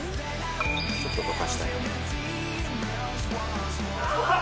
ちょっと溶かしたいね。